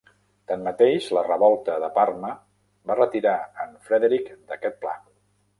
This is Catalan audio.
Tanmateix, la revolta de Parma va retirar en Frederick d'aquest pla.